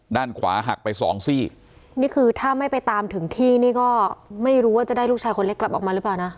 ด้านขวาหักไปสองซี่นี่คือถ้าไม่ไปตามถึงที่นี่ก็ไม่รู้ว่าจะได้ลูกชายคนเล็กกลับออกมาหรือเปล่านะ